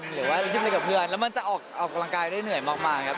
หรือว่าขึ้นไปกับเพื่อนแล้วมันจะออกกำลังกายได้เหนื่อยมากครับ